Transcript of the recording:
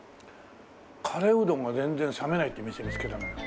カレーうどんが全然冷めないっていう店見つけたのよ。